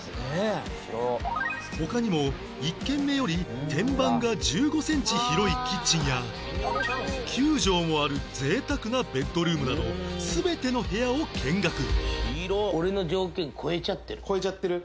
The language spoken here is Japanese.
他にも１軒目より天板が１５センチ広いキッチンや９畳もある贅沢なベッドルームなど全ての部屋を見学超えちゃってる？